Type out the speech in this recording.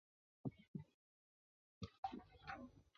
为谢氏成为江左高门大族取得方镇实力。